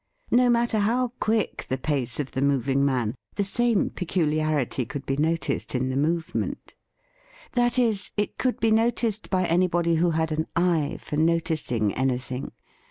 No matter how quick the pace of the moving man, the same peculiarity could be noticed in the move ment. That is, it could be noticed by anybody who had an eye for noticing anything.